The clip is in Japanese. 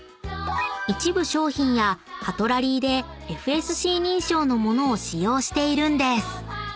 ［一部商品やカトラリーでＦＳＣ認証の物を使用しているんです］